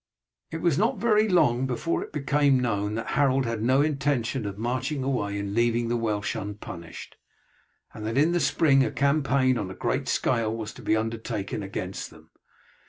It was not very long before it became known that Harold had no intention of marching away and leaving the Welsh unpunished, and that in the spring a campaign on a great scale was to be undertaken against them.